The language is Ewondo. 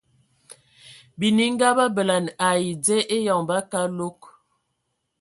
Bininga ba bələna ai dze eyoŋ ba kəlɔg.